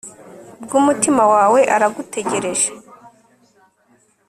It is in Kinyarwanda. bw'umutima wawe, aragutegereje